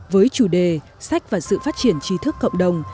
với chủ đề sách và sự phát triển trí thức cộng đồng